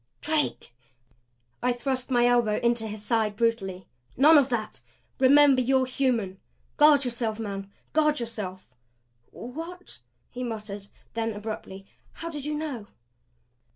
"Drake!" I thrust my elbow into his side brutally. "None of that! Remember you're human! Guard yourself, man guard yourself!" "What?" he muttered; then, abruptly: "How did you know?"